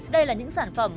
đây là những sản phẩm